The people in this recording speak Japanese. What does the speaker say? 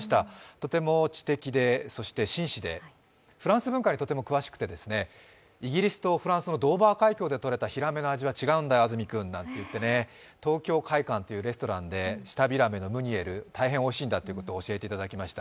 とても知的で紳士でフランス文化にとても詳しくて、イギリスとフランスの間のドーバー海峡でとれたひらめの味か違うんだよ、安住君、なんて言ってね、東京會舘というレストランで舌びらめのムニエル、大変おいしいんだということを教えていただきました。